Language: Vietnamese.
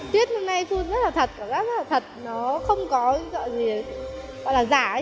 tuyết năm nay khuôn rất là thật nó không có gì gọi là giả